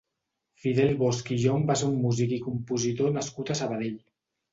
Fidel Bosch i Llonch va ser un músic i compositor nascut a Sabadell.